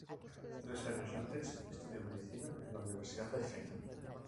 Tres años antes, estudió Medicina en la Universidad de Jena.